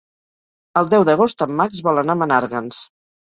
El deu d'agost en Max vol anar a Menàrguens.